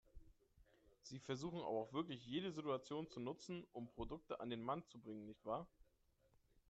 Sie versuchen aber auch wirklich jede Situation zu nutzen, um Produkte an den Mann zu bringen, nicht wahr?